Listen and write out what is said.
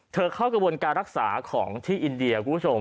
เธอเข้ากระบวนการรักษาของที่อินเดีย